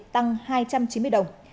tăng hai trăm chín mươi đồng